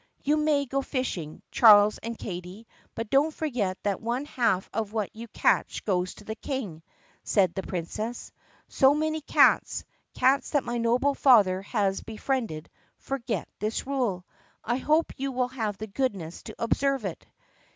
"You may go fishing, Charles and Katie, but don't forget that one half of what you catch goes to the King," said the Princess. "So many cats — cats that my noble father has be friended — forget this rule ! I hope you will have the goodness to observe it."